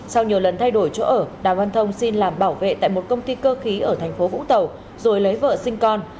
sau nhiều lần thay đổi chỗ ở đàm văn thông xin làm bảo vệ tại một công ty cơ khí ở thành phố vũng tàu rồi lấy vợ sinh con